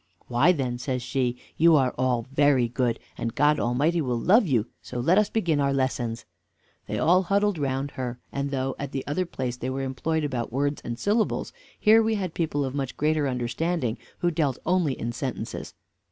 "Why, then," says she, "you are all very good, and God Almighty will love you; so let us begin our lessons." They all huddled round her, and though at the other place they were employed about words and syllables, here we had people of much greater understanding who dealt only in sentences.